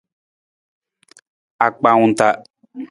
Akpaawung taa.